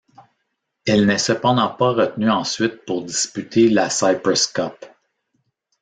Elle n'est cependant pas retenue ensuite pour disputer la Cyprus Cup.